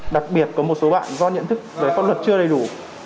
đặc biệt có một số bạn do nhận thức về pháp luật chưa đầy đủ